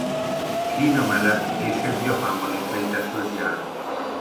Kína mellett később Japánban is létesült gyár.